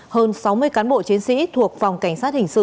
hơn sáu mươi cán bộ chiến sĩ thuộc phòng cảnh sát hình sự